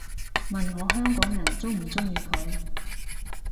問我香港人鍾唔鍾意佢